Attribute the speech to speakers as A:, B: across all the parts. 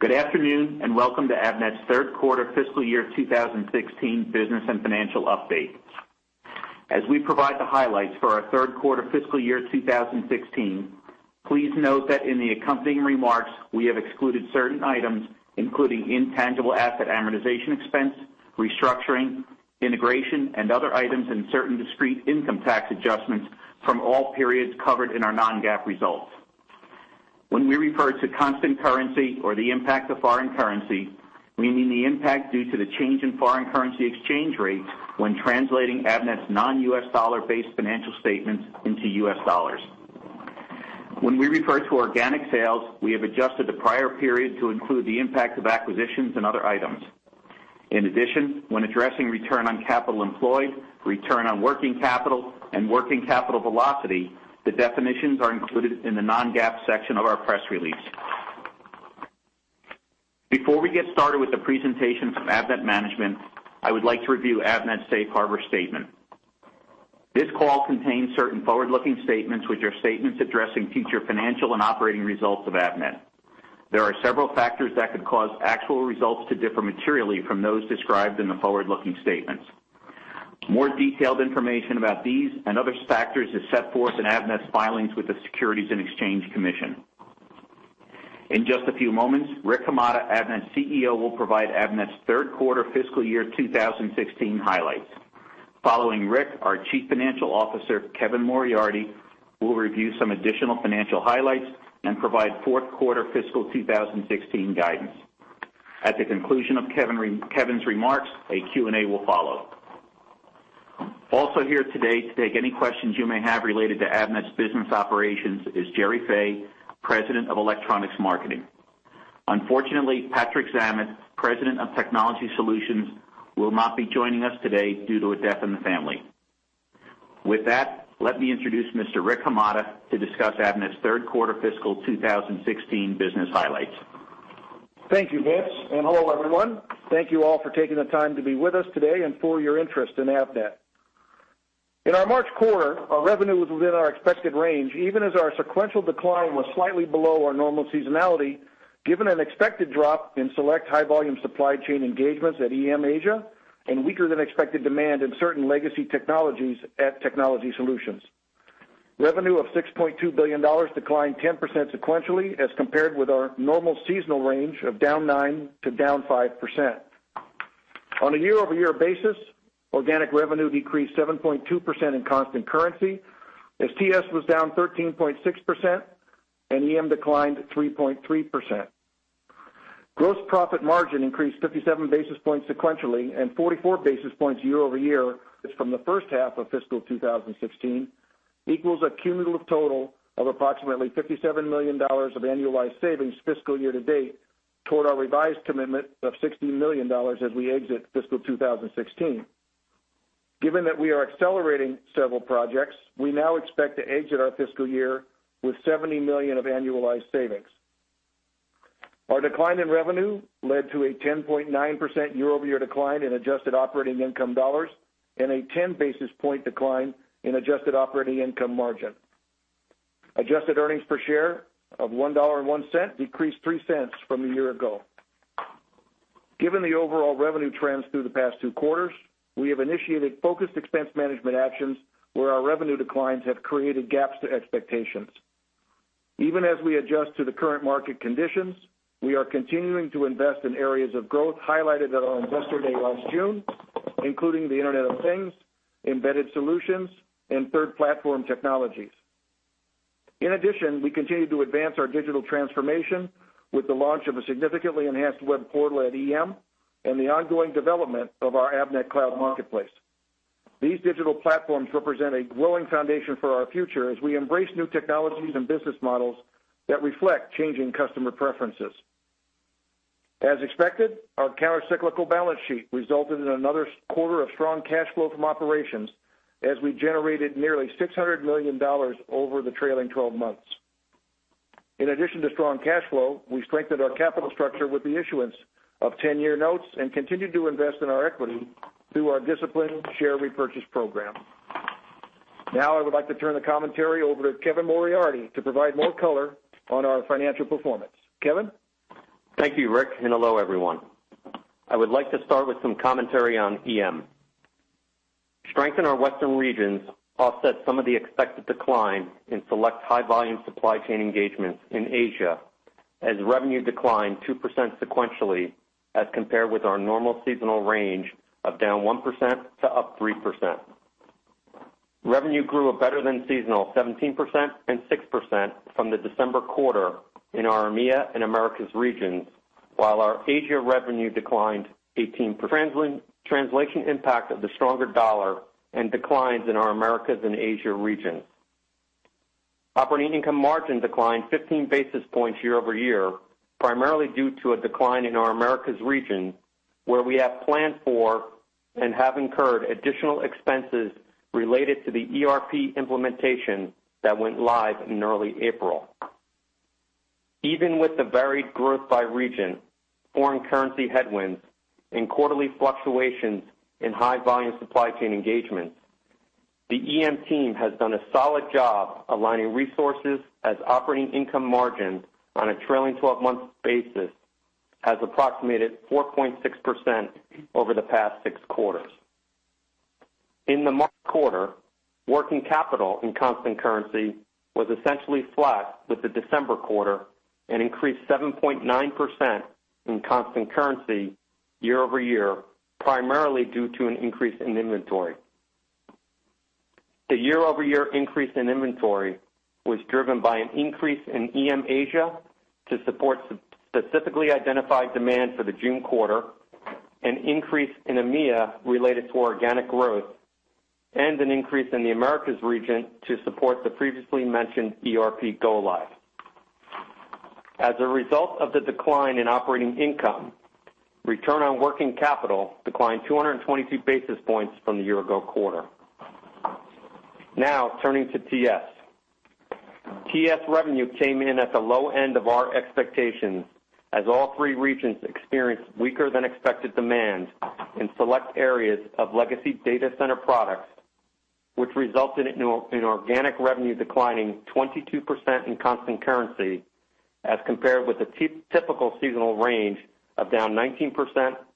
A: Good afternoon, and welcome to Avnet's third quarter fiscal year 2016 business and financial update. As we provide the highlights for our third quarter fiscal year 2016, please note that in the accompanying remarks, we have excluded certain items, including intangible asset amortization expense, restructuring, integration, and other items, and certain discrete income tax adjustments from all periods covered in our non-GAAP results. When we refer to constant currency or the impact of foreign currency, we mean the impact due to the change in foreign currency exchange rates when translating Avnet's non-US dollar-based financial statements into US dollars. When we refer to organic sales, we have adjusted the prior period to include the impact of acquisitions and other items. In addition, when addressing return on capital employed, return on working capital and working capital velocity, the definitions are included in the non-GAAP section of our press release. Before we get started with the presentation from Avnet management, I would like to review Avnet's safe harbor statement. This call contains certain forward-looking statements, which are statements addressing future financial and operating results of Avnet. There are several factors that could cause actual results to differ materially from those described in the forward-looking statements. More detailed information about these and other factors is set forth in Avnet's filings with the Securities and Exchange Commission. In just a few moments, Rick Hamada, Avnet's CEO, will provide Avnet's third quarter fiscal year 2016 highlights. Following Rick, our Chief Financial Officer, Kevin Moriarty, will review some additional financial highlights and provide fourth quarter fiscal 2016 guidance. At the conclusion of Kevin's remarks, a Q&A will follow. Also here today to take any questions you may have related to Avnet's business operations is Gerry Fay, President of Electronics Marketing. Unfortunately, Patrick Zammit, President of Technology Solutions, will not be joining us today due to a death in the family. With that, let me introduce Mr. Rick Hamada to discuss Avnet's third quarter fiscal 2016 business highlights.
B: Thank you, Vince, and hello, everyone. Thank you all for taking the time to be with us today and for your interest in Avnet. In our March quarter, our revenue was within our expected range, even as our sequential decline was slightly below our normal seasonality, given an expected drop in select high-volume supply chain engagements at EM Asia and weaker than expected demand in certain legacy technologies at Technology Solutions. Revenue of $6.2 billion declined 10% sequentially, as compared with our normal seasonal range of down 9%-5%. On a year-over-year basis, organic revenue decreased 7.2% in constant currency, as TS was down 13.6% and EM declined 3.3%. Gross profit margin increased 57 basis points sequentially and 44 basis points year-over-year from the first half of fiscal 2016, equals a cumulative total of approximately $57 million of annualized savings fiscal year to date toward our revised commitment of $60 million as we exit fiscal 2016. Given that we are accelerating several projects, we now expect to exit our fiscal year with $70 million of annualized savings. Our decline in revenue led to a 10.9% year-over-year decline in adjusted operating income dollars and a 10 basis points decline in adjusted operating income margin. Adjusted earnings per share of $1.01 decreased $0.03 from a year ago. Given the overall revenue trends through the past two quarters, we have initiated focused expense management actions where our revenue declines have created gaps to expectations. Even as we adjust to the current market conditions, we are continuing to invest in areas of growth highlighted at our Investor Day last June, including the Internet of Things, embedded solutions, and Third Platform technologies. In addition, we continue to advance our digital transformation with the launch of a significantly enhanced web portal at EM and the ongoing development of our Avnet Cloud Marketplace. These digital platforms represent a growing foundation for our future as we embrace new technologies and business models that reflect changing customer preferences. As expected, our countercyclical balance sheet resulted in another quarter of strong cash flow from operations, as we generated nearly $600 million over the trailing twelve months. In addition to strong cash flow, we strengthened our capital structure with the issuance of 10-year notes and continued to invest in our equity through our disciplined share repurchase program. Now, I would like to turn the commentary over to Kevin Moriarty to provide more color on our financial performance. Kevin?
A: Thank you, Rick, and hello, everyone. I would like to start with some commentary on EM. Strength in our western regions offset some of the expected decline in select high-volume supply chain engagements in Asia, as revenue declined 2% sequentially as compared with our normal seasonal range of down 1% to up 3%. Revenue grew a better than seasonal 17% and 6% from the December quarter in our EMEA and Americas regions, while our Asia revenue declined 18%... Translation impact of the stronger dollar and declines in our Americas and Asia regions. Operating income margin declined 15 basis points year-over-year, primarily due to a decline in our Americas region, where we have planned for and have incurred additional expenses related to the ERP implementation that went live in early April. Even with the varied growth by region, foreign currency headwinds, and quarterly fluctuations in high volume supply chain engagements,...
C: The EM team has done a solid job aligning resources, as operating income margin on a trailing 12-month basis has approximated 4.6% over the past six quarters. In the March quarter, working capital in constant currency was essentially flat with the December quarter, and increased 7.9% in constant currency year-over-year, primarily due to an increase in inventory. The year-over-year increase in inventory was driven by an increase in EM Asia to support specifically identified demand for the June quarter, an increase in EMEA related to organic growth, and an increase in the Americas region to support the previously mentioned ERP go live. As a result of the decline in operating income, return on working capital declined 222 basis points from the year ago quarter. Now, turning to TS. TS revenue came in at the low end of our expectations, as all three regions experienced weaker than expected demand in select areas of legacy data center products, which resulted in organic revenue declining 22% in constant currency, as compared with the typical seasonal range of down 19%-16%.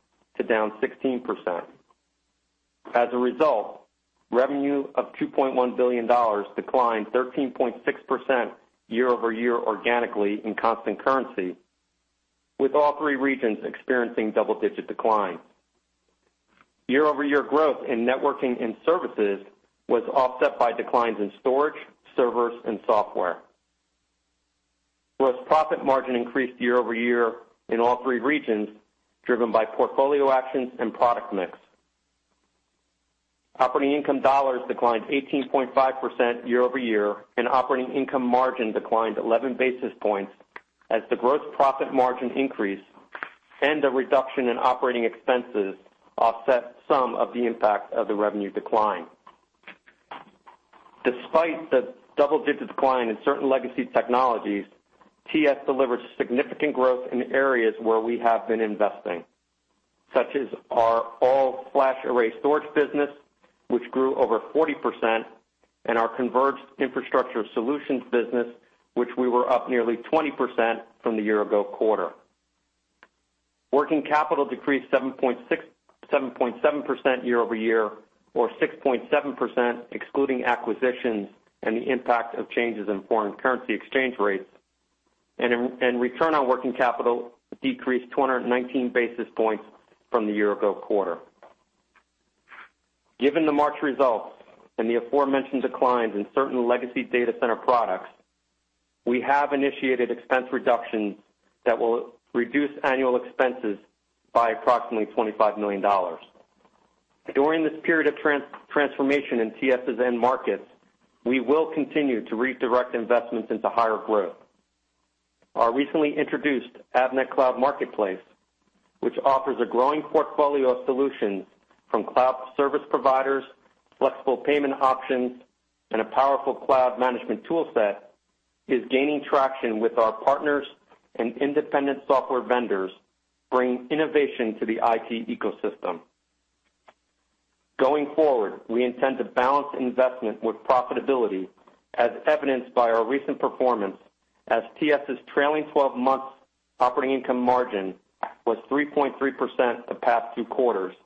C: As a result, revenue of $2.1 billion declined 13.6% year-over-year organically in constant currency, with all three regions experiencing double-digit decline. Year-over-year growth in networking and services was offset by declines in storage, servers, and software. Gross profit margin increased year-over-year in all three regions, driven by portfolio actions and product mix. Operating income dollars declined 18.5% year-over-year, and operating income margin declined 11 basis points, as the gross profit margin increase and a reduction in operating expenses offset some of the impact of the revenue decline. Despite the double-digit decline in certain legacy technologies, TS delivered significant growth in areas where we have been investing, such as our all-flash array storage business, which grew over 40%, and our converged infrastructure solutions business, which we were up nearly 20% from the year-ago quarter. Working capital decreased 7.6–7.7% year-over-year, or 6.7%, excluding acquisitions and the impact of changes in foreign currency exchange rates. And return on working capital decreased 219 basis points from the year-ago quarter. Given the March results and the aforementioned declines in certain legacy data center products, we have initiated expense reductions that will reduce annual expenses by approximately $25 million. During this period of transformation in TS's end markets, we will continue to redirect investments into higher growth. Our recently introduced Avnet Cloud Marketplace, which offers a growing portfolio of solutions from cloud service providers, flexible payment options, and a powerful cloud management tool set, is gaining traction with our partners and independent software vendors, bringing innovation to the IT ecosystem. Going forward, we intend to balance investment with profitability, as evidenced by our recent performance, as TS's trailing twelve-month operating income margin was 3.3% the past two quarters,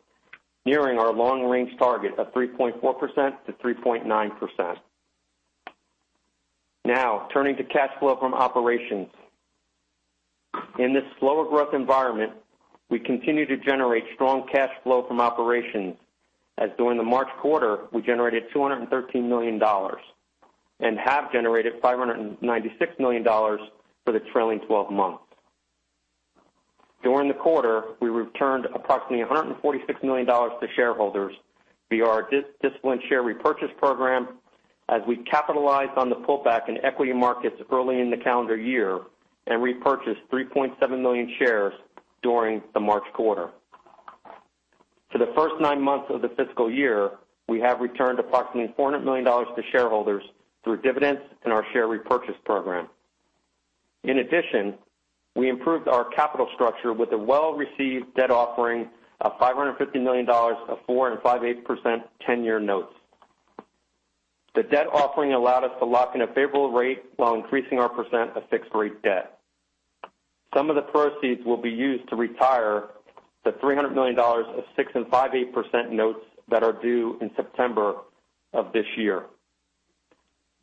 C: nearing our long-range target of 3.4%-3.9%. Now, turning to cash flow from operations. In this slower growth environment, we continue to generate strong cash flow from operations, as during the March quarter, we generated $213 million, and have generated $596 million for the trailing twelve months. During the quarter, we returned approximately $146 million to shareholders via our disciplined share repurchase program, as we capitalized on the pullback in equity markets early in the calendar year and repurchased 3.7 million shares during the March quarter. For the first nine months of the fiscal year, we have returned approximately $400 million to shareholders through dividends and our share repurchase program. In addition, we improved our capital structure with a well-received debt offering of $550 million of 4.625% ten-year notes. The debt offering allowed us to lock in a favorable rate while increasing our percent of fixed rate debt. Some of the proceeds will be used to retire the $300 million of 6.625% notes that are due in September of this year.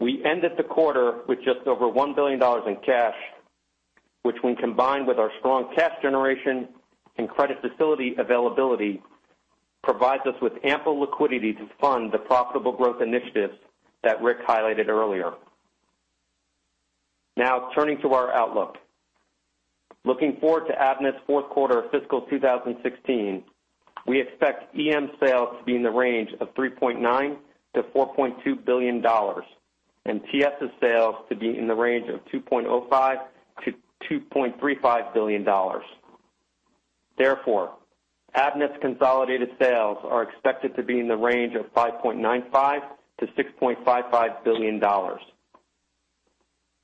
C: We ended the quarter with just over $1 billion in cash, which, when combined with our strong cash generation and credit facility availability, provides us with ample liquidity to fund the profitable growth initiatives that Rick highlighted earlier. Now, turning to our outlook. Looking forward to Avnet's fourth quarter of fiscal 2016, we expect EM sales to be in the range of $3.9 billion-$4.2 billion, and TS's sales to be in the range of $2.05 billion-$2.35 billion. Therefore, Avnet's consolidated sales are expected to be in the range of $5.95 billion-$6.55 billion.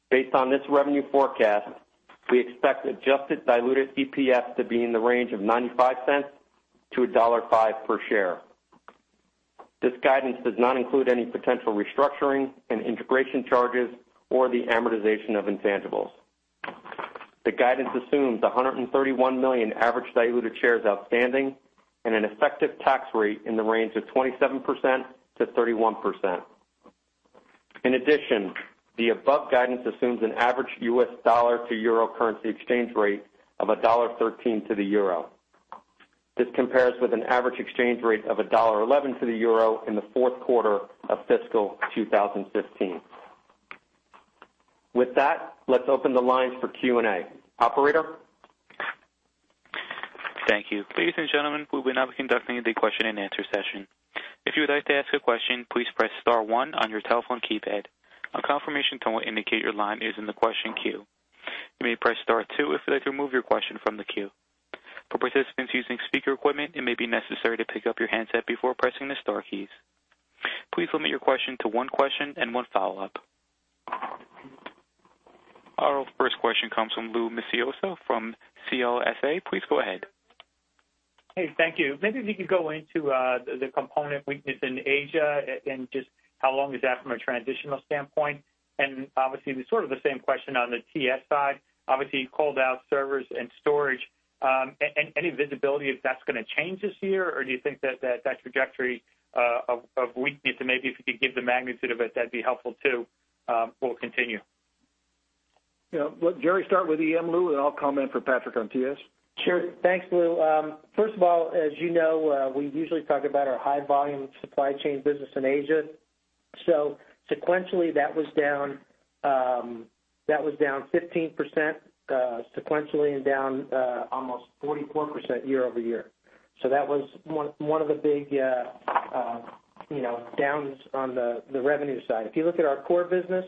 C: Based on this revenue forecast, we expect adjusted diluted EPS to be in the range of $0.95-$1.05 per share. This guidance does not include any potential restructuring and integration charges or the amortization of intangibles. The guidance assumes 131 million average diluted shares outstanding and an effective tax rate in the range of 27%-31%. In addition, the above guidance assumes an average US dollar to euro currency exchange rate of $1.13 to the euro. This compares with an average exchange rate of $1.11 to the euro in the fourth quarter of fiscal 2015. With that, let's open the lines for Q&A. Operator?
A: Thank you. Ladies and gentlemen, we will now be conducting the question-and-answer session. If you would like to ask a question, please press star one on your telephone keypad. A confirmation tone will indicate your line is in the question queue. You may press star two if you'd like to remove your question from the queue. For participants using speaker equipment, it may be necessary to pick up your handset before pressing the star keys. Please limit your question to one question and one follow-up. Our first question comes from Louis Miscioscia from CLSA. Please go ahead.
D: Hey, thank you. Maybe if you could go into the component weakness in Asia and just how long is that from a transitional standpoint? And obviously, the sort of the same question on the TS side. Obviously, you called out servers and storage, any visibility if that's gonna change this year, or do you think that that trajectory of weakness, and maybe if you could give the magnitude of it, that'd be helpful too, will continue.
B: Yeah. Let Gerry start with EM, Lou, and I'll comment for Patrick on TS.
E: Sure. Thanks, Lou. First of all, as you know, we usually talk about our high volume supply chain business in Asia. So sequentially, that was down, that was down 15%, sequentially, and down almost 44% year-over-year. So that was one, one of the big, you know, downs on the revenue side. If you look at our core business,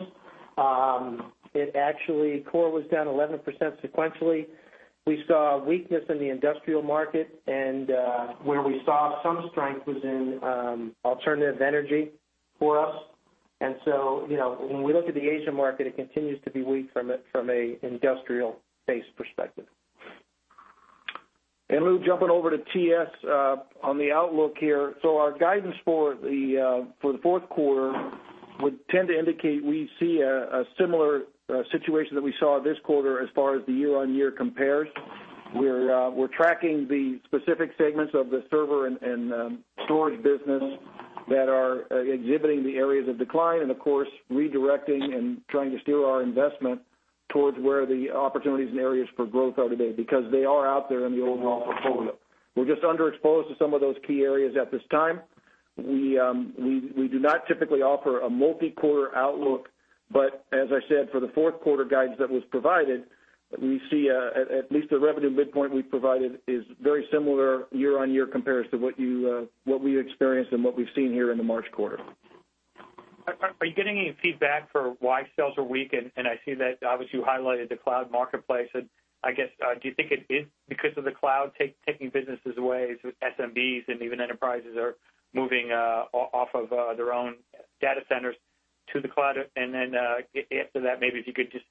E: it actually, core was down 11% sequentially. We saw a weakness in the industrial market, and where we saw some strength was in alternative energy for us. And so, you know, when we look at the Asian market, it continues to be weak from a industrial-based perspective.
B: And Lou, jumping over to TS, on the outlook here, so our guidance for the fourth quarter would tend to indicate we see a similar situation that we saw this quarter as far as the year-on-year compares. We're tracking the specific segments of the server and storage business that are exhibiting the areas of decline and, of course, redirecting and trying to steer our investment towards where the opportunities and areas for growth are today because they are out there in the overall portfolio. We're just underexposed to some of those key areas at this time. We do not typically offer a multi-quarter outlook, but as I said, for the fourth quarter guidance that was provided, we see at least the revenue midpoint we provided is very similar year-on-year comparison to what we experienced and what we've seen here in the March quarter.
D: Are you getting any feedback for why sales are weak? And I see that obviously, you highlighted the cloud marketplace, and I guess, do you think it is because of the cloud taking businesses away, so SMBs and even enterprises are moving off of their own data centers to the cloud? And then, after that, maybe if you could just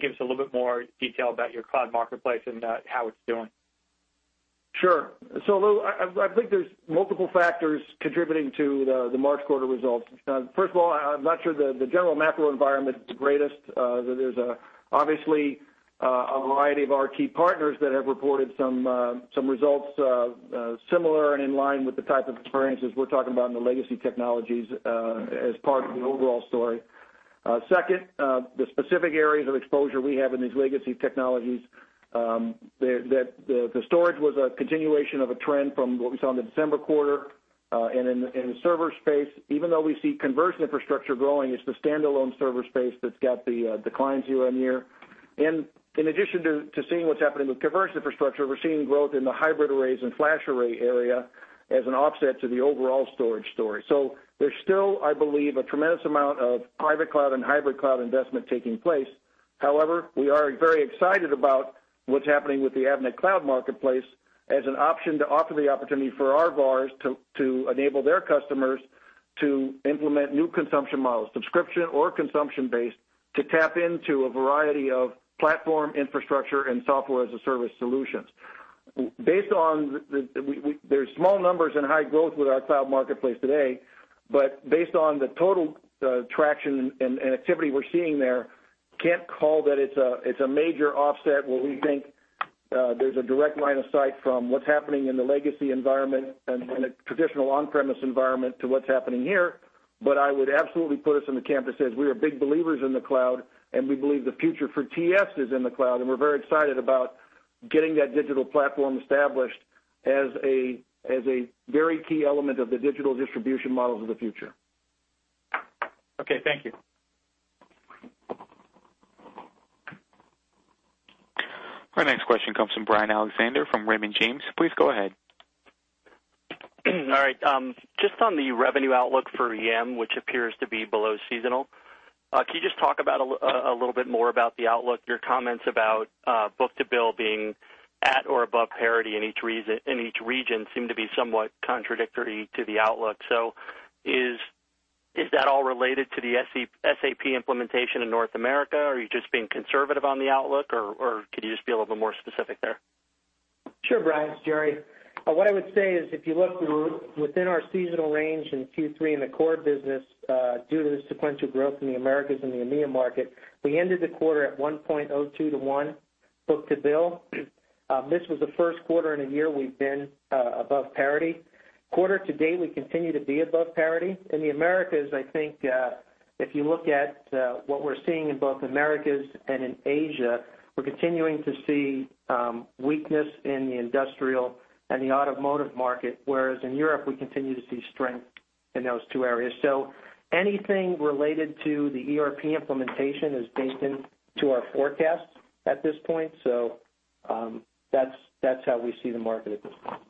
D: give us a little bit more detail about your cloud marketplace and how it's doing.
B: Sure. So Lou, I think there's multiple factors contributing to the March quarter results. First of all, I'm not sure the general macro environment is the greatest. There's obviously a variety of our key partners that have reported some results similar and in line with the type of experiences we're talking about in the legacy technologies as part of the overall story. Second, the specific areas of exposure we have in these legacy technologies, the storage was a continuation of a trend from what we saw in the December quarter, and in the server space, even though we see converged infrastructure growing, it's the standalone server space that's got the declines year-on-year. In addition to seeing what's happening with converged infrastructure, we're seeing growth in the hybrid arrays and all-flash array area as an offset to the overall storage story. So there's still, I believe, a tremendous amount of private cloud and hybrid cloud investment taking place. However, we are very excited about what's happening with the Avnet Cloud Marketplace as an option to offer the opportunity for our VARs to enable their customers to implement new consumption models, subscription or consumption-based, to tap into a variety of platform, infrastructure, and software as a service solutions. Based on the, there's small numbers and high growth with our cloud marketplace today, but based on the total traction and activity we're seeing there, can't call that it's a major offset where we think there's a direct line of sight from what's happening in the legacy environment and in a traditional on-premise environment to what's happening here. But I would absolutely put us in the camp that says we are big believers in the cloud, and we believe the future for TS is in the cloud, and we're very excited about getting that digital platform established as a very key element of the digital distribution models of the future.
D: Okay. Thank you.
A: Our next question comes from Brian Alexander, from Raymond James. Please go ahead.
C: All right. Just on the revenue outlook for EM, which appears to be below seasonal, can you just talk about a little bit more about the outlook, your comments about book-to-bill being-...
F: at or above parity in each region seem to be somewhat contradictory to the outlook. So is that all related to the SAP implementation in North America, or are you just being conservative on the outlook, or could you just be a little bit more specific there?
B: Sure, Brian, it's Gerry. What I would say is, if you look within our seasonal range in Q3 in the core business, due to the sequential growth in the Americas and the EMEA market, we ended the quarter at 1.02 to 1 book-to-bill. This was the first quarter in a year we've been above parity. Quarter to date, we continue to be above parity. In the Americas, I think, if you look at what we're seeing in both Americas and in Asia, we're continuing to see weakness in the industrial and the automotive market, whereas in Europe, we continue to see strength in those two areas. So anything related to the ERP implementation is baked into our forecast at this point. So, that's how we see the market at this point.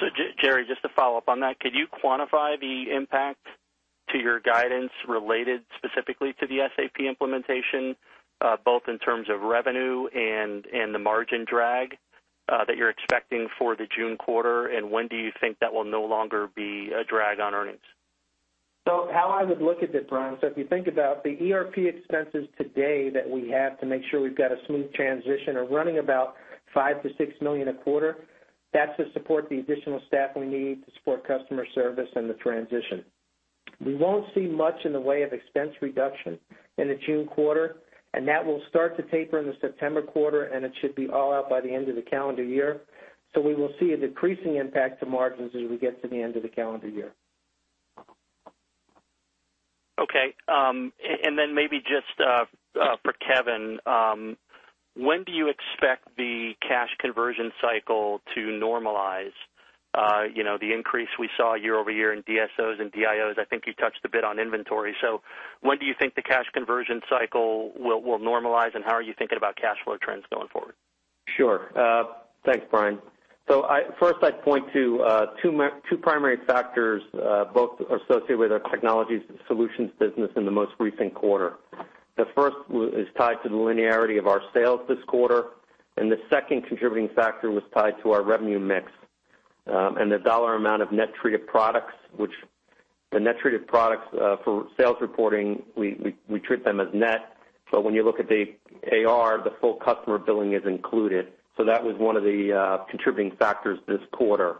F: So Gerry, just to follow up on that, could you quantify the impact to your guidance related specifically to the SAP implementation, both in terms of revenue and the margin drag that you're expecting for the June quarter? And when do you think that will no longer be a drag on earnings?
B: So how I would look at this, Brian, so if you think about the ERP expenses today that we have to make sure we've got a smooth transition, are running about $5-$6 million a quarter. That's to support the additional staff we need to support customer service and the transition. We won't see much in the way of expense reduction in the June quarter, and that will start to taper in the September quarter, and it should be all out by the end of the calendar year. So we will see a decreasing impact to margins as we get to the end of the calendar year.
F: Okay, and then maybe just for Kevin, when do you expect the cash conversion cycle to normalize? You know, the increase we saw year-over-year in DSOs and DIOs, I think you touched a bit on inventory. So when do you think the cash conversion cycle will normalize, and how are you thinking about cash flow trends going forward?
C: Sure. Thanks, Brian. So first, I'd point to two primary factors, both associated with our technologies and solutions business in the most recent quarter. The first is tied to the linearity of our sales this quarter, and the second contributing factor was tied to our revenue mix, and the dollar amount of net treated products, which the net treated products, for sales reporting, we treat them as net. So when you look at the AR, the full customer billing is included. So that was one of the contributing factors this quarter.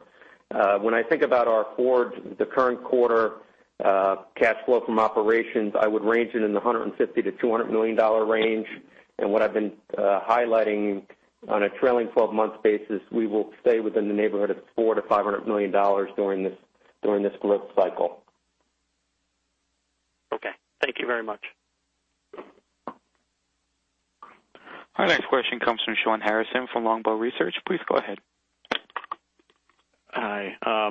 C: When I think about the current quarter, cash flow from operations, I would range it in the $150 million-$200 million range. What I've been highlighting on a trailing twelve-month basis, we will stay within the neighborhood of $400 million-$500 million during this, during this growth cycle.
F: Okay. Thank you very much.
A: Our next question comes from Sean Harrison from Longbow Research. Please go ahead.
G: Hi.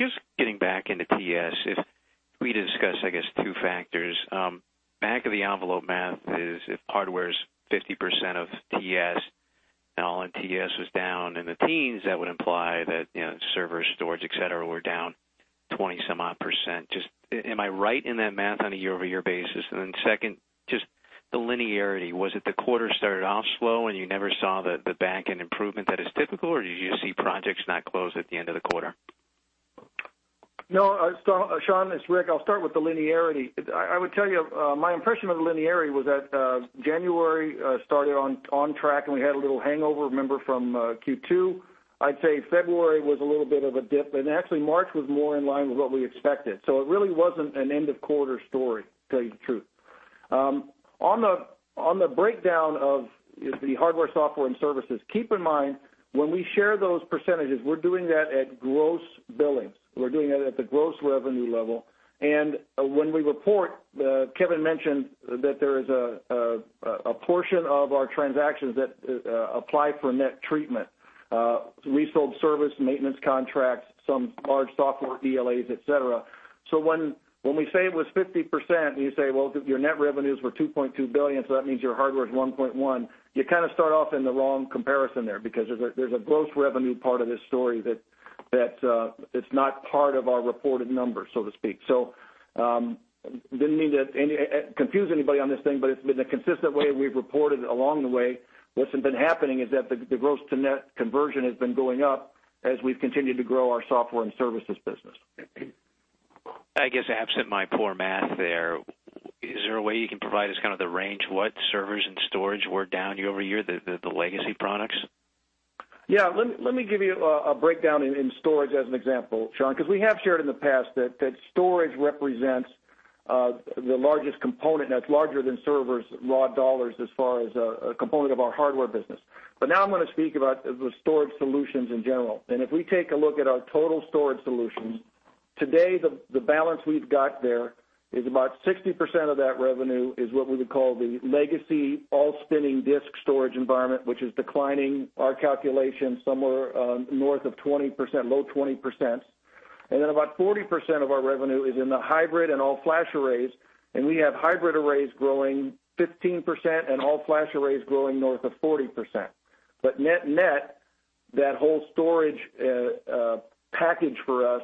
G: Just getting back into TS, if we discuss, I guess, two factors. Back-of-the-envelope math is if hardware is 50% of TS, and all TS was down in the teens, that would imply that, you know, server storage, et cetera, were down 20-some-odd%. Just, am I right in that math on a year-over-year basis? And then second, just the linearity. Was it the quarter started off slow, and you never saw the, the back-end improvement that is typical, or did you just see projects not close at the end of the quarter?
B: No, Sean, it's Rick. I'll start with the linearity. I would tell you my impression of the linearity was that January started on track, and we had a little hangover, remember, from Q2. I'd say February was a little bit of a dip, and actually, March was more in line with what we expected. So it really wasn't an end-of-quarter story, to tell you the truth. On the breakdown of the hardware, software, and services, keep in mind, when we share those percentages, we're doing that at gross billings. We're doing that at the gross revenue level. And when we report, Kevin mentioned that there is a portion of our transactions that apply for net treatment, resold service, maintenance contracts, some large software ELAs, et cetera. So when we say it was 50%, you say, "Well, your net revenues were $2.2 billion, so that means your hardware is $1.1 billion." You kind of start off in the wrong comparison there, because there's a gross revenue part of this story that it's not part of our reported numbers, so to speak. So, didn't mean to anyway confuse anybody on this thing, but it's been a consistent way we've reported it along the way. What's been happening is that the gross-to-net conversion has been going up as we've continued to grow our software and services business.
G: I guess, absent my poor math there, is there a way you can provide us kind of the range, what servers and storage were down year-over-year, legacy products?
B: Yeah. Let me give you a breakdown in storage as an example, Sean, because we have shared in the past that storage represents the largest component, and it's larger than servers, raw dollars, as far as a component of our hardware business. But now I'm going to speak about the storage solutions in general. And if we take a look at our total storage solutions, today, the balance we've got there is about 60% of that revenue is what we would call the legacy, all-spinning disk storage environment, which is declining our calculation somewhere north of 20%, low 20%. And then about 40% of our revenue is in the hybrid and all-flash arrays, and we have hybrid arrays growing 15% and all-flash arrays growing north of 40%. But net-net, that whole storage package for us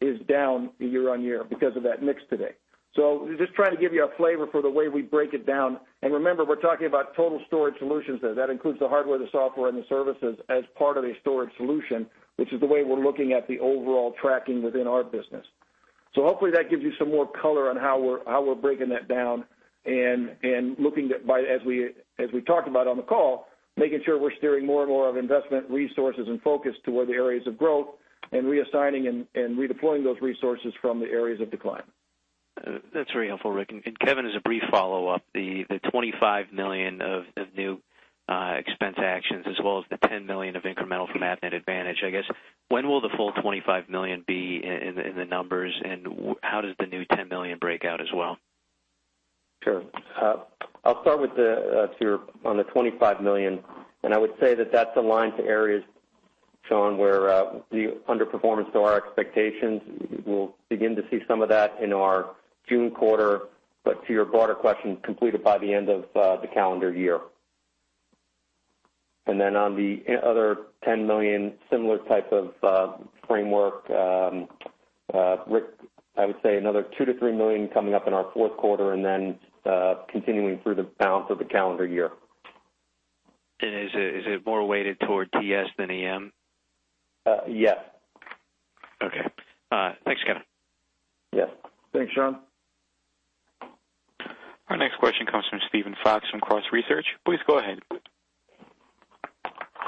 B: is down year-on-year because of that mix today. So just trying to give you a flavor for the way we break it down. And remember, we're talking about total storage solutions there. That includes the hardware, the software, and the services as part of a storage solution, which is the way we're looking at the overall tracking within our business. So hopefully, that gives you some more color on how we're breaking that down and looking at, as we talked about on the call, making sure we're steering more and more of investment resources and focus toward the areas of growth and reassigning and redeploying those resources from the areas of decline.
G: That's very helpful, Rick. And, Kevin, as a brief follow-up, the $25 million of new expense actions, as well as the $10 million of incremental from Avnet Advantage, I guess, when will the full $25 million be in the numbers, and how does the new $10 million break out as well?
C: Sure. I'll start with the to your-- on the $25 million, and I would say that that's aligned to areas, Sean, where the underperformance to our expectations, we'll begin to see some of that in our June quarter, but to your broader question, completed by the end of the calendar year. And then on the other $10 million, similar type of framework, Rick, I would say another $2 million-$3 million coming up in our fourth quarter and then continuing through the balance of the calendar year.
G: Is it, is it more weighted toward TS than AM?
C: Uh, yes.
G: Okay. Thanks, Kevin.
C: Yes.
B: Thanks, Sean.
A: Our next question comes from Steven Fox from Cross Research. Please go ahead.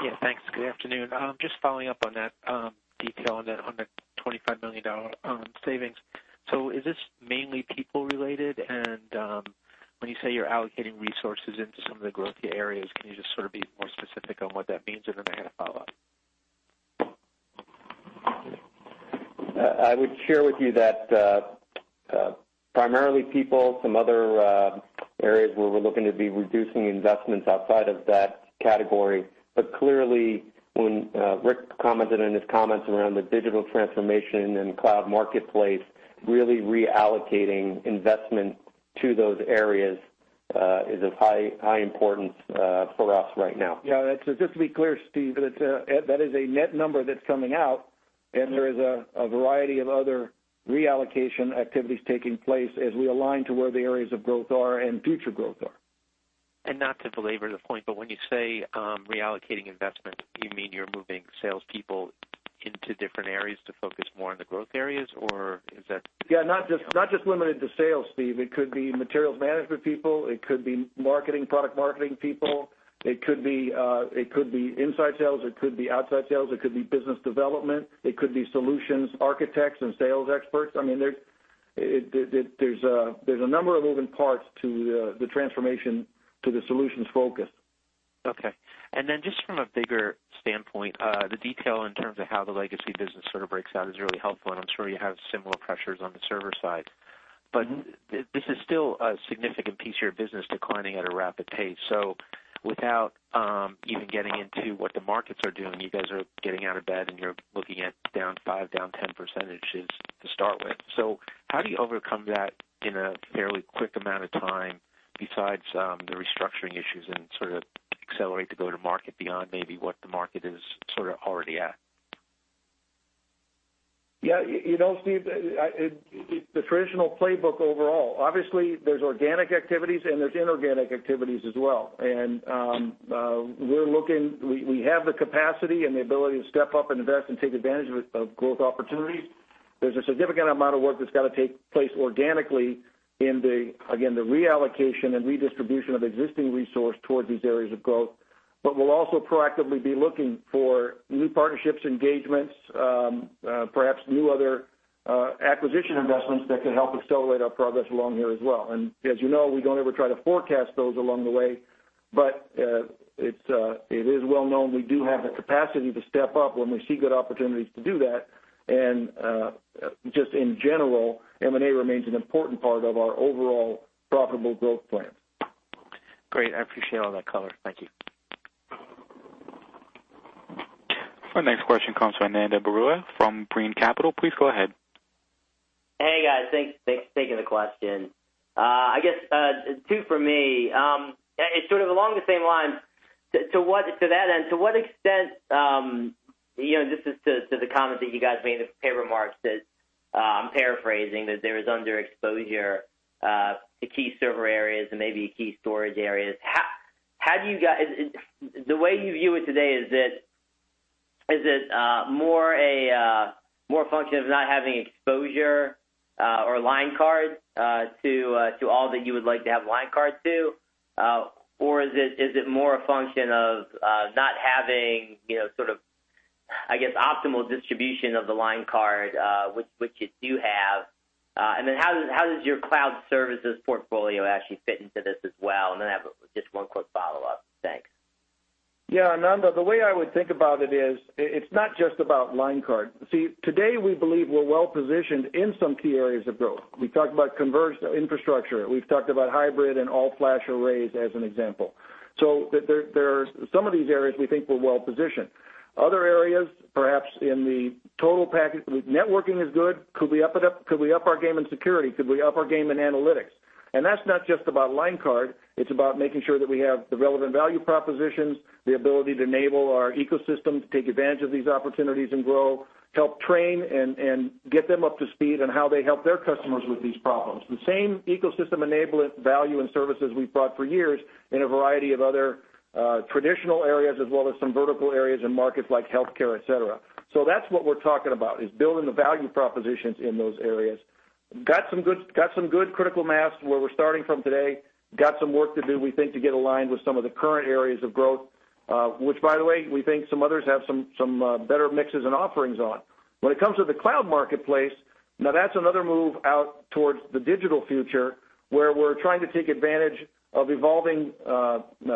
H: Yeah, thanks. Good afternoon. Just following up on that, detail on that, on the $25 million savings. So is this mainly people-related? And, when you say you're allocating resources into some of the growthy areas, can you just sort of be more specific on what that means? And then I have a follow-up.
C: I would share with you that primarily people, some other areas where we're looking to be reducing investments outside of that category. But clearly, when Rick commented in his comments around the digital transformation and cloud marketplace, really reallocating investment to those areas is of high, high importance for us right now.
B: Yeah, just to be clear, Steve, that is a net number that's coming out, and there is a variety of other reallocation activities taking place as we align to where the areas of growth are and future growth are.
H: Not to belabor the point, but when you say reallocating investment, you mean you're moving salespeople into different areas to focus more on the growth areas, or is that-
B: Yeah, not just, not just limited to sales, Steve. It could be materials management people, it could be marketing, product marketing people, it could be, it could be inside sales, it could be outside sales, it could be business development, it could be solutions architects and sales experts. I mean, there's a number of moving parts to the transformation to the solutions focus.
H: Okay. And then just from a bigger standpoint, the detail in terms of how the legacy business sort of breaks out is really helpful, and I'm sure you have similar pressures on the server side. But this is still a significant piece of your business declining at a rapid pace. So without even getting into what the markets are doing, you guys are getting out of bed, and you're looking at down 5%, down 10% to start with. So how do you overcome that in a fairly quick amount of time, besides the restructuring issues and sort of accelerate to go to market beyond maybe what the market is sort of already at?
B: Yeah, you know, Steve, it's the traditional playbook overall. Obviously, there's organic activities, and there's inorganic activities as well. And we're looking—we have the capacity and the ability to step up and invest and take advantage of growth opportunities. There's a significant amount of work that's got to take place organically in the, again, the reallocation and redistribution of existing resource toward these areas of growth. But we'll also proactively be looking for new partnerships, engagements, perhaps new other acquisition investments that can help accelerate our progress along here as well. As you know, we don't ever try to forecast those along the way, but it is well known we do have the capacity to step up when we see good opportunities to do that, and just in general, M&A remains an important part of our overall profitable growth plan.
H: Great. I appreciate all that color. Thank you.
A: Our next question comes from Ananda Baruah from Brean Capital. Please go ahead.
I: Hey, guys, thanks, thanks for taking the question. I guess, two for me. It's sort of along the same lines. To what-- to that end, to what extent, you know, and this is to, to the comment that you guys made in the prepared remarks that, I'm paraphrasing, that there is underexposure, to key server areas and maybe key storage areas. How do you guy... The way you view it today, is it, more a, more a function of not having exposure, or line card, to, to all that you would like to have line card to? Or is it more a function of not having, you know, sort of, I guess, optimal distribution of the line card, which you do have? And then how does your cloud services portfolio actually fit into this as well? And then I have just one quick follow-up. Thanks.
B: Yeah, Ananda, the way I would think about it is, it's not just about line card. See, today, we believe we're well-positioned in some key areas of growth. We talked about converged infrastructure. We've talked about hybrid and all-flash arrays as an example. So there are some of these areas we think we're well-positioned. Other areas, perhaps in the total package, networking is good. Could we up our game in security? Could we up our game in analytics? And that's not just about line card, it's about making sure that we have the relevant value propositions, the ability to enable our ecosystem to take advantage of these opportunities and grow, help train and get them up to speed on how they help their customers with these problems. The same ecosystem enablement value and services we've brought for years in a variety of other, traditional areas, as well as some vertical areas in markets like healthcare, et cetera. So that's what we're talking about, is building the value propositions in those areas. Got some good, got some good critical mass where we're starting from today, got some work to do, we think, to get aligned with some of the current areas of growth, which, by the way, we think some others have some, some, better mixes and offerings on. When it comes to the cloud marketplace, now that's another move out towards the digital future, where we're trying to take advantage of evolving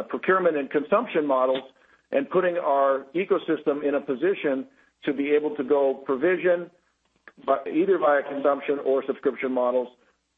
B: procurement and consumption models and putting our ecosystem in a position to be able to go provision, but either via consumption or subscription models,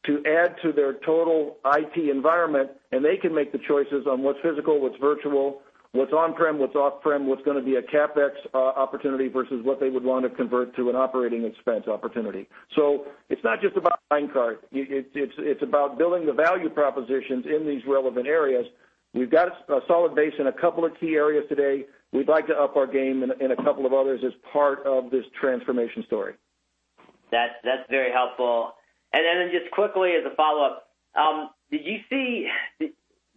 B: to add to their total IT environment, and they can make the choices on what's physical, what's virtual, what's on-prem, what's off-prem, what's going to be a CapEx opportunity versus what they would want to convert to an operating expense opportunity. So it's not just about line card. It's about building the value propositions in these relevant areas. We've got a solid base in a couple of key areas today. We'd like to up our game in a couple of others as part of this transformation story.
I: That's, that's very helpful. And then just quickly, as a follow-up, did you see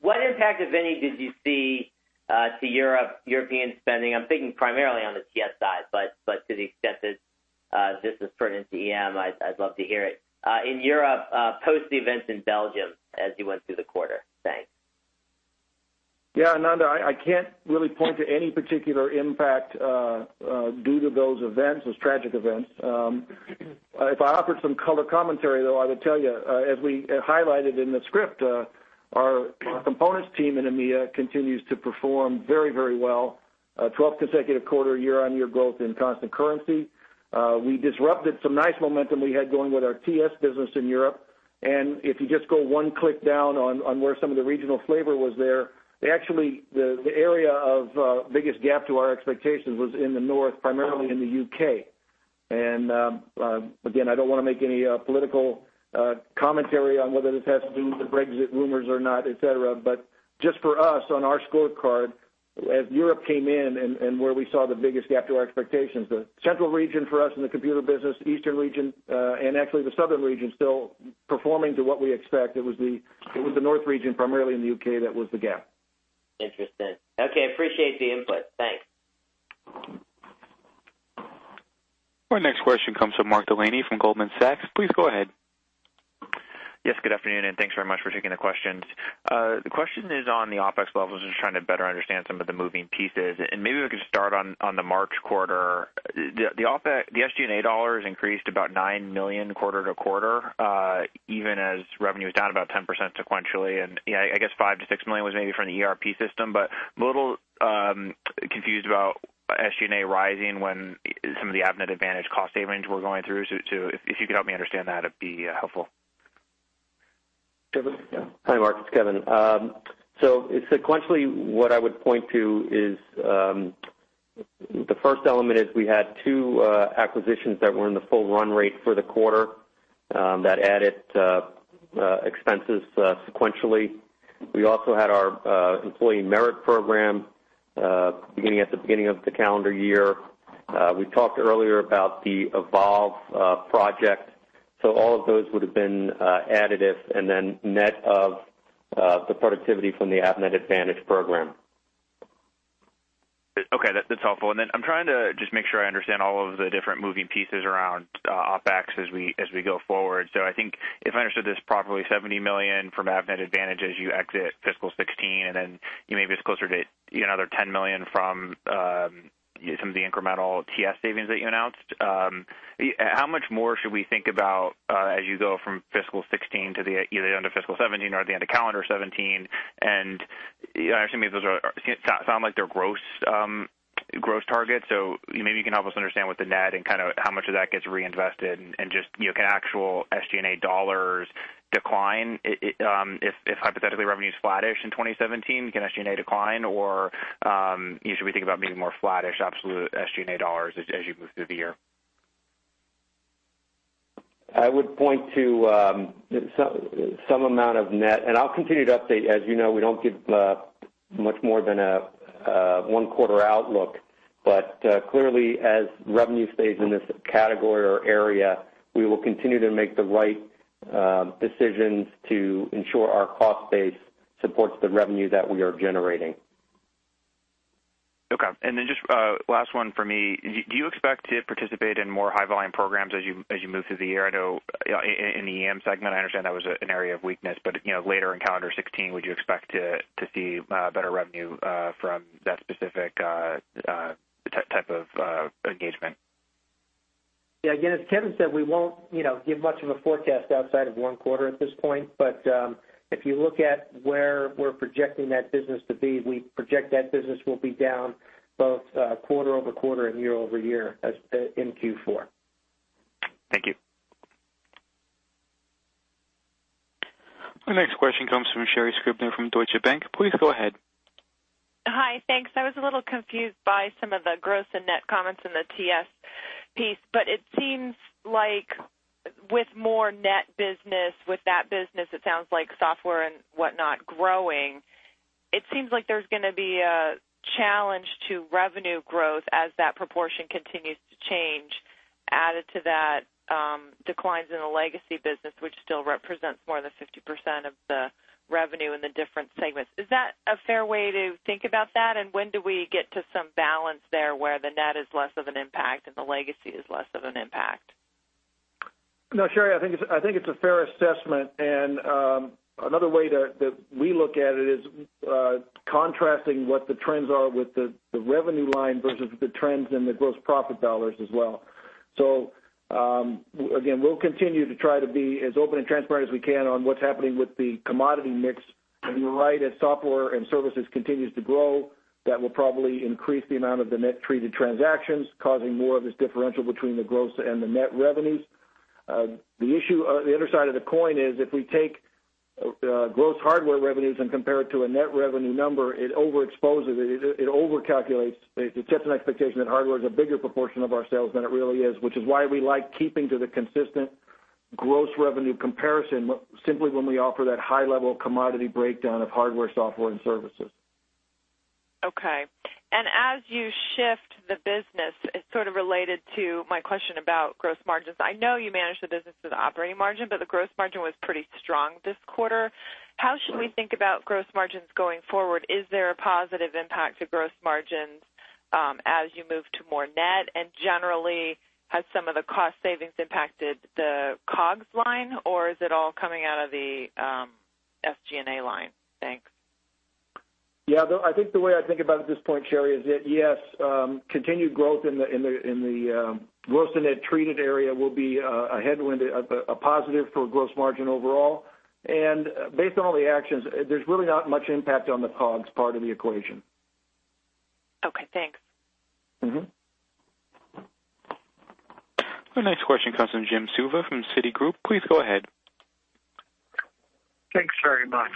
I: what impact, if any, did you see to European spending? I'm thinking primarily on the TS side, but to the extent that this is pertinent to EM, I'd love to hear it. In Europe, post the events in Belgium as you went through the quarter. Thanks.
B: Yeah, Ananda, I can't really point to any particular impact due to those events, those tragic events. If I offered some color commentary, though, I would tell you, as we highlighted in the script, our components team in EMEA continues to perform very, very well, 12 consecutive quarter, year-on-year growth in constant currency. We disrupted some nice momentum we had going with our TS business in Europe, and if you just go 1 click down on where some of the regional flavor was there, actually, the area of biggest gap to our expectations was in the North, primarily in the UK. Again, I don't want to make any political commentary on whether this has to do with the Brexit rumors or not, et cetera, but just for us, on our scorecard, as Europe came in and where we saw the biggest gap to our expectations, the central region for us in the computer business, eastern region, and actually the southern region, still performing to what we expect. It was the north region, primarily in the UK, that was the gap.
I: Interesting. Okay, I appreciate the input. Thanks.
A: Our next question comes from Mark Delaney from Goldman Sachs. Please go ahead.
J: Yes, good afternoon, and thanks very much for taking the questions. The question is on the OpEx levels. I'm just trying to better understand some of the moving pieces, and maybe we could start on the March quarter. The OpEx, the SG&A dollars increased about $9 million quarter to quarter, even as revenue was down about 10% sequentially, and I guess $5 million-$6 million was maybe from the ERP system, but I'm a little confused about SG&A rising when some of the Avnet Advantage cost savings were going through. So, if you could help me understand that, it'd be helpful.
B: Kevin?
C: Hi, Mark, it's Kevin. So sequentially, what I would point to is, the first element is we had 2 acquisitions that were in the full run rate for the quarter, that added expenses sequentially. We also had our employee merit program beginning at the beginning of the calendar year. We talked earlier about the Evolve project. So all of those would have been additive and then net of the productivity from the Avnet Advantage program.
J: Okay, that's helpful. And then I'm trying to just make sure I understand all of the different moving pieces around OpEx as we go forward. So I think if I understood this properly, $70 million from Avnet Advantage as you exit fiscal 2016, and then maybe it's closer to another $10 million from some of the incremental TS savings that you announced. How much more should we think about as you go from fiscal 2016 to either the end of fiscal 2017 or the end of calendar 2017? And I actually mean, those sound like they're gross targets. So maybe you can help us understand what the net and kind of how much of that gets reinvested and just, you know, can actual SG&A dollars decline? If hypothetically, revenue is flattish in 2017, can SG&A decline, or should we think about being more flattish, absolute SG&A dollars as you move through the year?
C: I would point to some amount of net, and I'll continue to update. As you know, we don't give much more than a one-quarter outlook, but clearly, as revenue stays in this category or area, we will continue to make the right decisions to ensure our cost base supports the revenue that we are generating.
J: Okay. And then just, last one for me. Do you expect to participate in more high-volume programs as you move through the year? I know in the EM segment, I understand that was an area of weakness, but, you know, later in calendar 2016, would you expect to see better revenue from that specific type of engagement?
C: Yeah, again, as Kevin said, we won't, you know, give much of a forecast outside of one quarter at this point, but if you look at where we're projecting that business to be, we project that business will be down both quarter-over-quarter and year-over-year as in Q4.
J: Thank you....
A: Our next question comes from Sherri Scribner from Deutsche Bank. Please go ahead.
K: Hi, thanks. I was a little confused by some of the gross and net comments in the TS piece, but it seems like with more net business, with that business, it sounds like software and whatnot growing, it seems like there's gonna be a challenge to revenue growth as that proportion continues to change. Added to that, declines in the legacy business, which still represents more than 50% of the revenue in the different segments. Is that a fair way to think about that? And when do we get to some balance there where the net is less of an impact and the legacy is less of an impact?
B: No, Sherri, I think it's a fair assessment, and another way that we look at it is contrasting what the trends are with the revenue line versus the trends in the gross profit dollars as well. So, again, we'll continue to try to be as open and transparent as we can on what's happening with the commodity mix. And you're right, as software and services continues to grow, that will probably increase the amount of the net treated transactions, causing more of this differential between the gross and the net revenues. The issue, the other side of the coin is, if we take gross hardware revenues and compare it to a net revenue number, it overexposes it, it overcalculates. It sets an expectation that hardware is a bigger proportion of our sales than it really is, which is why we like keeping to the consistent gross revenue comparison, simply when we offer that high-level commodity breakdown of hardware, software, and services.
K: Okay. As you shift the business, it's sort of related to my question about gross margins. I know you manage the business as an operating margin, but the gross margin was pretty strong this quarter.
B: Right.
K: How should we think about gross margins going forward? Is there a positive impact to gross margins, as you move to more net? And generally, has some of the cost savings impacted the COGS line, or is it all coming out of the SG&A line? Thanks.
B: Yeah, I think the way I think about it at this point, Sherri, is that, yes, continued growth in the gross and net treated area will be a headwind, a positive for gross margin overall. And based on all the actions, there's really not much impact on the COGS part of the equation.
K: Okay, thanks.
B: Mm-hmm.
A: Our next question comes from Jim Suva from Citigroup. Please go ahead.
L: Thanks very much.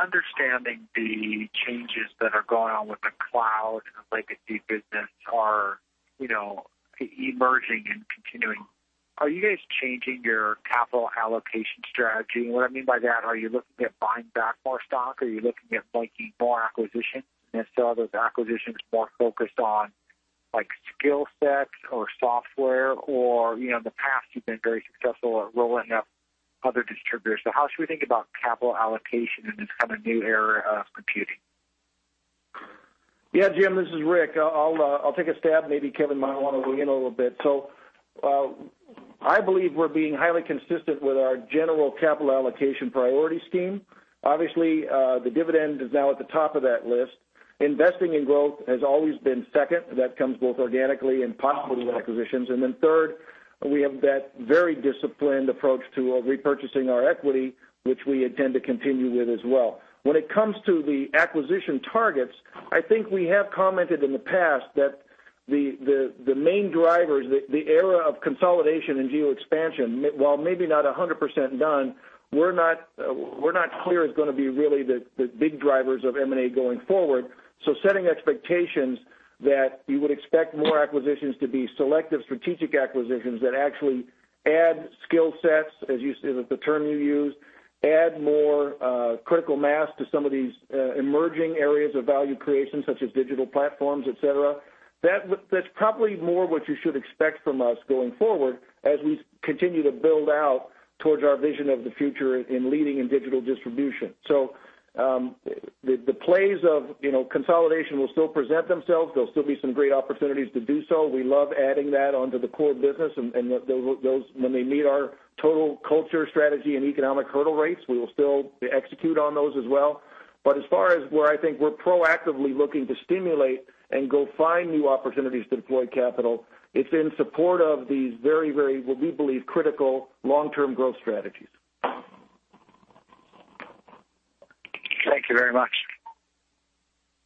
L: Understanding the changes that are going on with the cloud and the legacy business are, you know, emerging and continuing, are you guys changing your capital allocation strategy? And what I mean by that, are you looking at buying back more stock? Are you looking at making more acquisitions? And if so, are those acquisitions more focused on, like, skill sets or software or... You know, in the past, you've been very successful at rolling up other distributors. So how should we think about capital allocation in this kind of new era of computing?
B: Yeah, Jim, this is Rick. I'll, I'll take a stab. Maybe Kevin might want to weigh in a little bit. So, I believe we're being highly consistent with our general capital allocation priority scheme. Obviously, the dividend is now at the top of that list. Investing in growth has always been second, that comes both organically and possibly with acquisitions. And then third, we have that very disciplined approach to repurchasing our equity, which we intend to continue with as well. When it comes to the acquisition targets, I think we have commented in the past that the main drivers, the era of consolidation and geo expansion, while maybe not a hundred percent done, we're not clear it's gonna be really the big drivers of M&A going forward. So setting expectations that you would expect more acquisitions to be selective, strategic acquisitions that actually add skill sets, as you said, the term you used, add more, critical mass to some of these, emerging areas of value creation, such as digital platforms, et cetera. That would. That's probably more what you should expect from us going forward as we continue to build out towards our vision of the future in leading in digital distribution. So, the, the plays of, you know, consolidation will still present themselves. There'll still be some great opportunities to do so. We love adding that onto the core business and, and those, those, when they meet our total culture, strategy, and economic hurdle rates, we will still execute on those as well. But as far as where I think we're proactively looking to stimulate and go find new opportunities to deploy capital, it's in support of these very, very, what we believe, critical long-term growth strategies.
L: Thank you very much.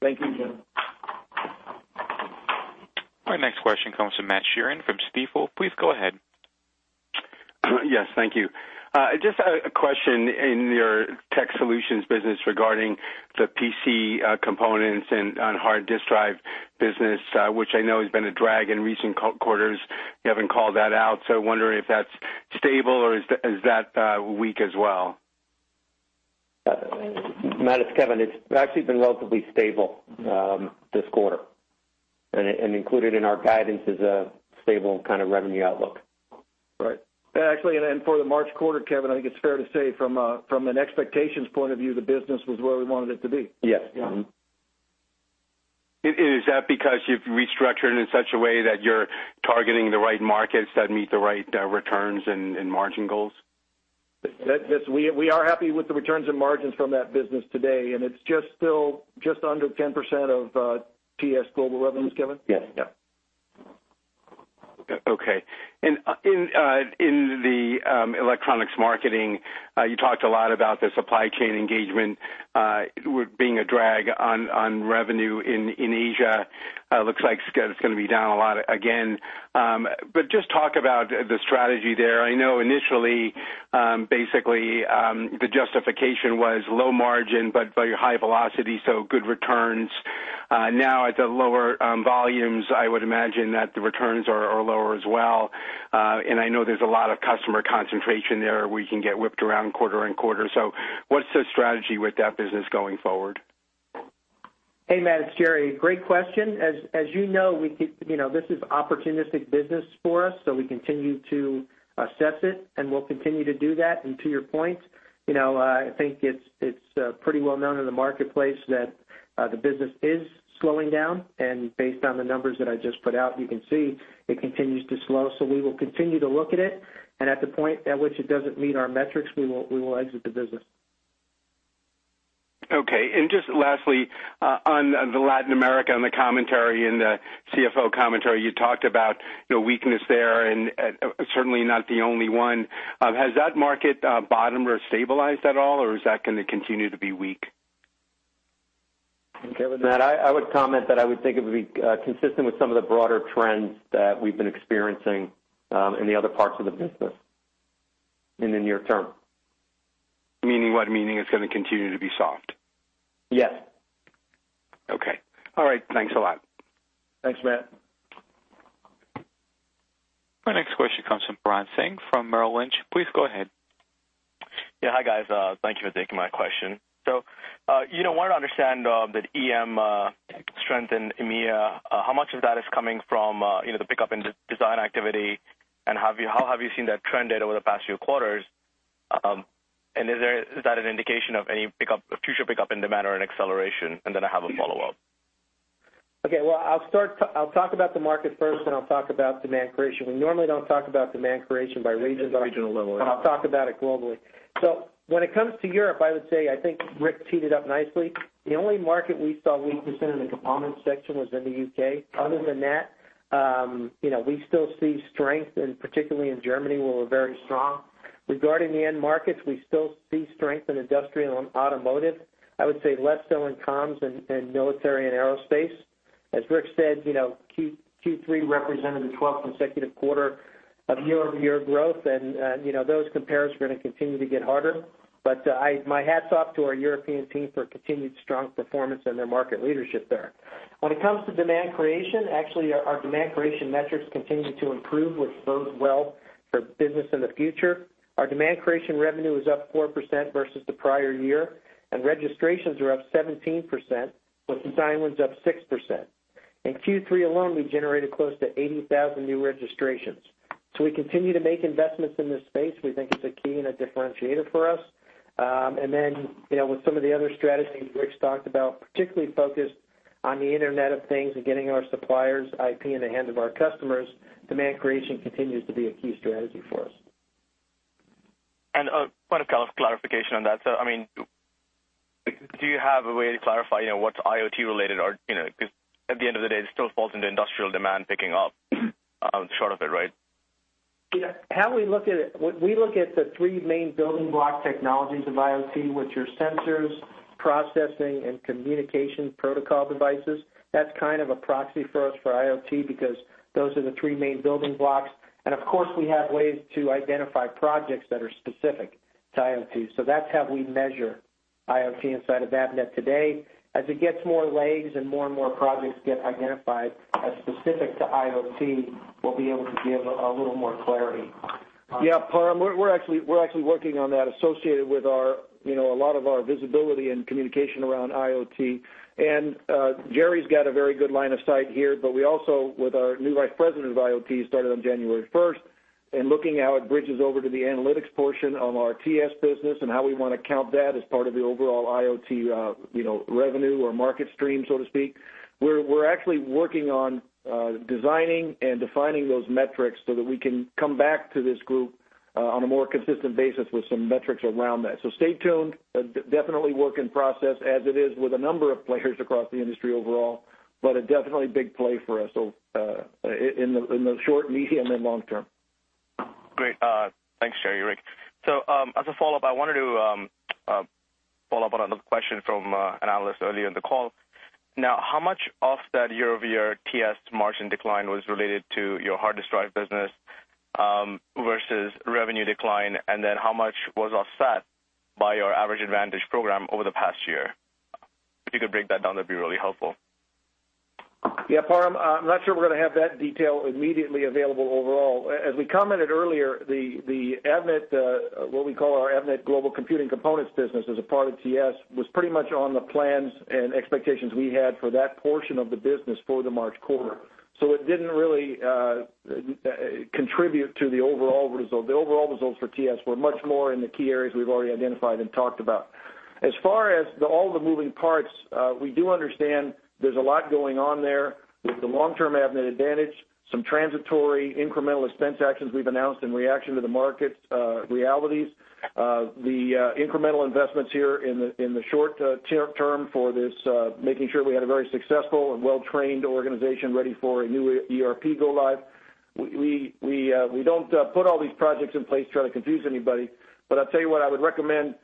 B: Thank you, Jim.
A: Our next question comes from Matt Sheerin from Stifel. Please go ahead.
M: Yes, thank you. Just a question in your tech solutions business regarding the PC components and hard disk drive business, which I know has been a drag in recent quarters. You haven't called that out, so I'm wondering if that's stable or is that weak as well?
C: Matt, it's Kevin. It's actually been relatively stable, this quarter, and included in our guidance is a stable kind of revenue outlook.
B: Right. Actually, and then for the March quarter, Kevin, I think it's fair to say from an expectations point of view, the business was where we wanted it to be.
C: Yes. Mm-hmm.
M: Is that because you've restructured it in such a way that you're targeting the right markets that meet the right returns and margin goals?
B: Yes, we are happy with the returns and margins from that business today, and it's just still just under 10% of TS global revenues, Kevin?
C: Yes. Yep.
M: Okay. And in the electronics marketing, you talked a lot about the supply chain engagement being a drag on revenue in Asia. It looks like it's gonna be down a lot again. But just talk about the strategy there. I know initially, basically, the justification was low margin, but high velocity, so good returns. Now at the lower volumes, I would imagine that the returns are lower as well. And I know there's a lot of customer concentration there, where you can get whipped around quarter to quarter. So what's the strategy with that business going forward?
E: Hey, Matt, it's Gerry. Great question. As you know, we keep—you know, this is opportunistic business for us, so we continue to assess it, and we'll continue to do that. And to your point, you know, I think it's pretty well known in the marketplace that the business is slowing down, and based on the numbers that I just put out, you can see it continues to slow. So we will continue to look at it, and at the point at which it doesn't meet our metrics, we will exit the business.
M: Okay. And just lastly, on the Latin America and the commentary in the CFO commentary, you talked about the weakness there and, certainly not the only one. Has that market bottomed or stabilized at all, or is that going to continue to be weak?
B: Okay, Matt, I would comment that I would think it would be consistent with some of the broader trends that we've been experiencing in the other parts of the business in the near term.
M: Meaning what? Meaning it's going to continue to be soft.
B: Yes.
M: Okay. All right. Thanks a lot.
E: Thanks, Matt.
A: Our next question comes from Param Singh from Merrill Lynch. Please go ahead.
N: Yeah. Hi, guys. Thank you for taking my question. So, you know, wanted to understand, that EM strength in EMEA, how much of that is coming from, you know, the pickup in the design activity, and have you, how have you seen that trend over the past few quarters? And is there, is that an indication of any pickup, future pickup in demand or an acceleration? And then I have a follow-up.
E: Okay, well, I'll talk about the market first, then I'll talk about demand creation. We normally don't talk about demand creation by region-
N: Regional level.
E: But I'll talk about it globally. So when it comes to Europe, I would say, I think Rick teed it up nicely. The only market we saw weakness in, in the component section was in the UK. Other than that, you know, we still see strength, and particularly in Germany, where we're very strong. Regarding the end markets, we still see strength in industrial and automotive. I would say less so in comms and military and aerospace. As Rick said, you know, Q3 represented the twelfth consecutive quarter of year-over-year growth, and, you know, those comparisons are going to continue to get harder. But, my hats off to our European team for continued strong performance and their market leadership there. When it comes to demand creation, actually, our demand creation metrics continue to improve, which bodes well for business in the future. Our demand creation revenue is up 4% versus the prior year, and registrations are up 17%, with design wins up 6%. In Q3 alone, we generated close to 80,000 new registrations. So we continue to make investments in this space. We think it's a key and a differentiator for us. And then, you know, with some of the other strategies Rick's talked about, particularly focused on the Internet of Things and getting our suppliers' IP in the hands of our customers, demand creation continues to be a key strategy for us.
N: One kind of clarification on that. I mean, do you have a way to clarify, you know, what's IoT related or, you know, because at the end of the day, it still falls into industrial demand picking up, sort of, right?
E: Yeah. How we look at it, we look at the three main building block technologies of IoT, which are sensors, processing, and communication protocol devices. That's kind of a proxy for us for IoT, because those are the three main building blocks. And of course, we have ways to identify projects that are specific to IoT. So that's how we measure IoT inside of Avnet today. As it gets more legs and more and more projects get identified as specific to IoT, we'll be able to give a little more clarity.
B: Yeah, Param, we're actually working on that, associated with our, you know, a lot of our visibility and communication around IoT. And Gerry's got a very good line of sight here, but we also, with our new vice president of IoT, started on January 1st, and looking how it bridges over to the analytics portion of our TS business and how we want to count that as part of the overall IoT, you know, revenue or market stream, so to speak. We're actually working on designing and defining those metrics so that we can come back to this group on a more consistent basis with some metrics around that. So stay tuned. Definitely work in process as it is with a number of players across the industry overall, but a definitely big play for us, so, in the short, medium, and long term.
N: Great. Thanks, Gerry, Rick. So, as a follow-up, I wanted to follow up on another question from an analyst earlier in the call. Now, how much of that year-over-year TS margin decline was related to your hard disk drive business versus revenue decline? And then how much was offset by your Avnet Advantage program over the past year? If you could break that down, that'd be really helpful.
B: Yeah, Param, I'm not sure we're going to have that detail immediately available overall. As we commented earlier, the Avnet, what we call our Avnet Global Computing Components business, as a part of TS, was pretty much on the plans and expectations we had for that portion of the business for the March quarter. So it didn't really contribute to the overall result. The overall results for TS were much more in the key areas we've already identified and talked about. As far as all the moving parts, we do understand there's a lot going on there with the long-term Avnet Advantage, some transitory, incremental expense actions we've announced in reaction to the market realities. The incremental investments here in the short term for this making sure we had a very successful and well-trained organization ready for a new ERP go live. We don't put all these projects in place to try to confuse anybody, but I'll tell you what, I would recommend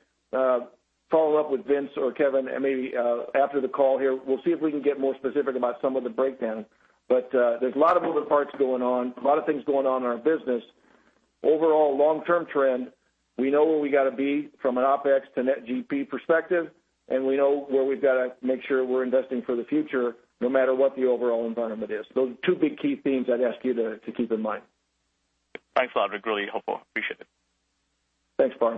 B: follow up with Vince or Kevin, and maybe after the call here, we'll see if we can get more specific about some of the breakdown. But there's a lot of moving parts going on, a lot of things going on in our business. Overall, long-term trend, we know where we got to be from an OpEx to net GP perspective, and we know where we've got to make sure we're investing for the future, no matter what the overall environment is. Those are two big key themes I'd ask you to keep in mind.
N: Thanks a lot, Rick. Really helpful. Appreciate it.
B: Thanks, Param.